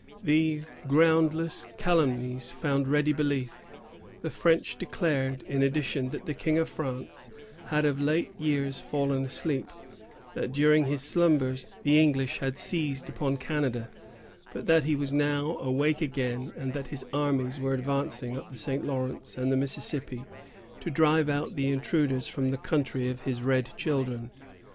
These groundless calumnies found ready belief. The French declared, in addition, that the King of France had of late years fallen asleep; that, during his slumbers, the English had seized upon Canada; but that he was now awake again, and that his armies were advancing up the St. Lawrence and the Mississippi, to drive out the intruders from the country of his red children.